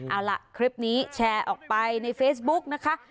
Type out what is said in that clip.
เอาล่ะคลิปนี้แชร์ออกไปในเฟซบุ๊กนะคะ